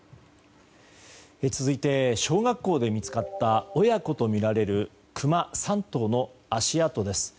続いて小学校で見つかった親子とみられるクマ３頭の足跡です。